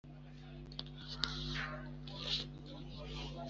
hashobora gukoreshwa andi matara